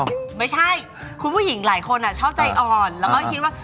แล้วก็คิดว่าเขามาว่ะ